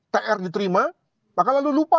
tr diterima maka lalu lupa